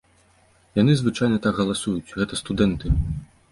Яны звычайна так галасуюць, гэта студэнты.